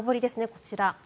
こちら。